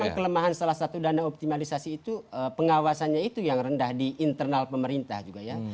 memang kelemahan salah satu dana optimalisasi itu pengawasannya itu yang rendah di internal pemerintah juga ya